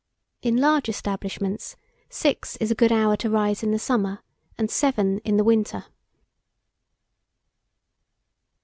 In large establishments, six is a good hour to rise in the summer, and seven in the winter.